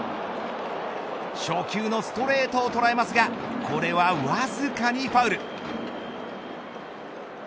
初球のストレートを捉えますがこれはわずかにファウル。